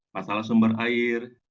pasal sumber air